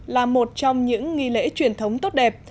là một trong những nghi lễ truyền thống tốt đẹp